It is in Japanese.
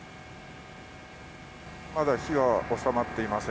まだ火は収まっていません。